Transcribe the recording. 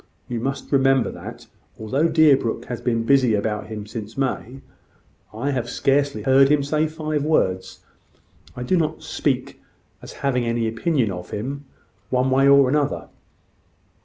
You must remember that, though all Deerbrook has been busy about him since May, I have scarcely heard him say five words. I do not speak as having any opinion of him, one way or another.